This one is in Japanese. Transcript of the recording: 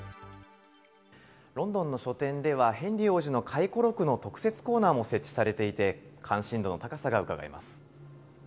ロンドンの書店ではヘンリー王子の回顧録の特設コーナーも設置されていて、関心度の高さがうかがえます。